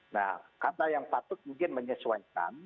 nah kata yang patut mungkin menyesuaikan